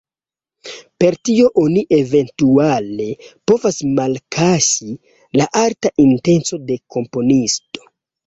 Per tio oni eventuale povas malkaŝi la arta intenco de la komponisto.